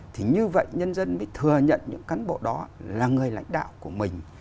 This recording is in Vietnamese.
thì như vậy nhân dân mới thừa nhận những cán bộ đó là người lãnh đạo của mình